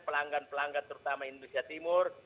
pelanggan pelanggan terutama indonesia timur